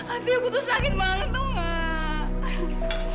aduh aku tuh sakit banget tau enggak